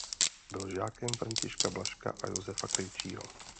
Byl žákem Františka Blažka a Josefa Krejčího.